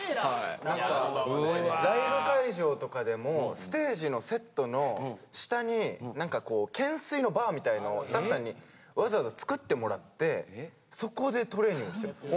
ライブ会場とかでもステージのセットの下に何かこう懸垂のバーみたいのをスタッフさんにわざわざ作ってもらってそこでトレーニングしてるんですよ